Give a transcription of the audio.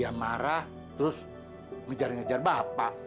ya marah terus ngejar ngejar bapak